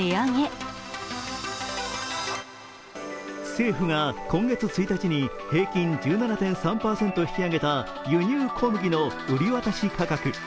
政府が今月１日に平均１７．３％引き上げた輸入小麦の売り渡し価格。